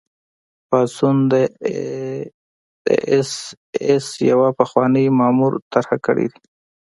پاڅون د اېس ایس یوه پخواني مامور طرح کړی دی